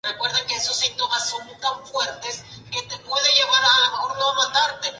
Joop usaba las gafas, debido a que era miope desde pequeño.